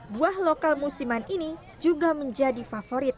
buah lokal musiman ini juga menjadi favorit